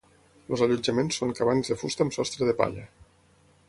Els allotjaments són cabanes de fusta amb sostre de palla.